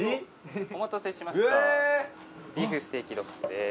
お待たせしましたビーフステーキドッグです